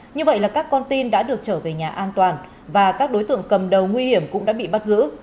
như vậy là các con tin đã được trở về nhà an toàn và các đối tượng cầm đầu nguy hiểm cũng đã bị bắt giữ